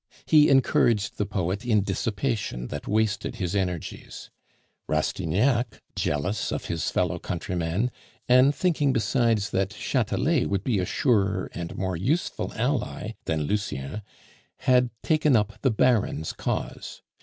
He encouraged the poet in dissipation that wasted his energies. Rastignac, jealous of his fellow countryman, and thinking, besides, that Chatelet would be a surer and more useful ally than Lucien, had taken up the Baron's cause.